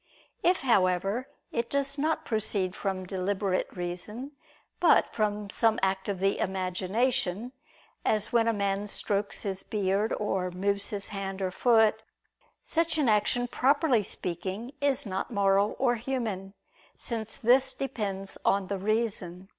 If, however, it does not proceed from deliberate reason, but from some act of the imagination, as when a man strokes his beard, or moves his hand or foot; such an action, properly speaking, is not moral or human; since this depends on the reason.